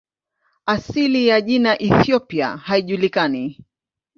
Asili ya jina "Ethiopia" haijulikani.